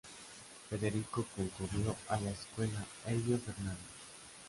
Federico concurrió a la escuela Elbio Fernández.